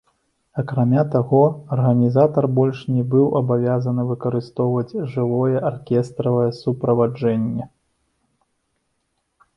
Акрамя таго, арганізатар больш не быў абавязаны выкарыстоўваць жывое аркестравае суправаджэнне.